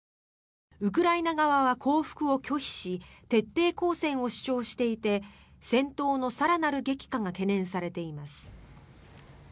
ウクライナ側は降伏を拒否し徹底抗戦を主張していて戦闘の更なる激化が懸念されています。